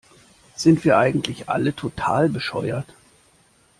Sind wir eigentlich alle total bescheuert?